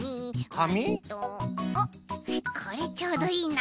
あっこれちょうどいいな。